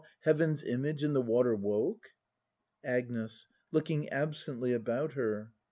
Heaven's image in the water woke! Agnes. [Looking absenthj about her.